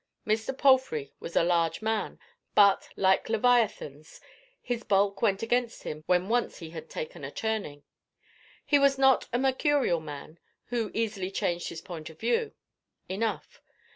Mr. Palfrey was a large man, but, like Leviathan's, his bulk went against him when once he had taken a turning. He was not a mercurial man, who easily changed his point of view. Enough.